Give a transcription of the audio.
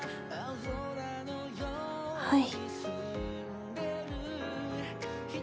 はい。